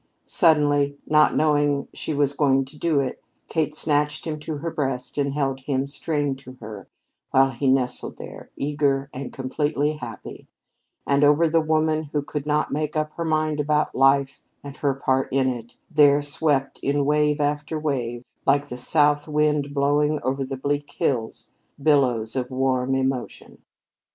Suddenly, not knowing she was going to do it, Kate snatched him to her breast, and held him strained to her while he nestled there, eager and completely happy, and over the woman who could not make up her mind about life and her part in it, there swept, in wave after wave, like the south wind blowing over the bleak hills, billows of warm emotion.